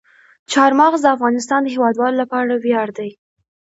چار مغز د افغانستان د هیوادوالو لپاره ویاړ دی.